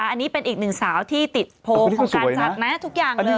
อันนี้เป็นอีกหนึ่งสาวที่ติดโพลของการจัดนะทุกอย่างเลย